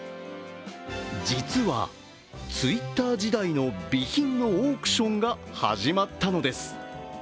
実は、Ｔｗｉｔｔｅｒ時代の備品のオークションが始まったのです。